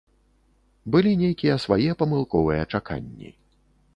Былі нейкія свае памылковыя чаканні.